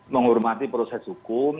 menghormati proses hukum